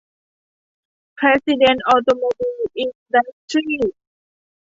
เพรสซิเด้นท์ ออโตโมบิล อินดัสทรีส์